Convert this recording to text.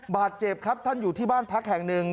บาดเจ็บครับท่านอยู่ที่บ้านพักแห่งหนึ่ง